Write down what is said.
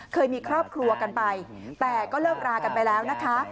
เคยมีครอบครัวกันไปแต่ก็เลิกรากันไปแล้วนะคะ